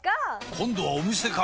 今度はお店か！